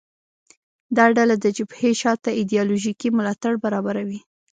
دا ډله د جبهې شا ته ایدیالوژیکي ملاتړ برابروي